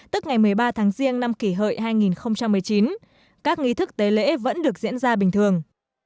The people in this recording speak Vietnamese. tức ngày một mươi ba tháng riêng năm kỷ hợi hai nghìn một mươi chín các nghi thức tế lễ vẫn được diễn ra bình thường